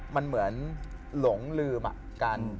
มันเหมือนหลงลืมกัน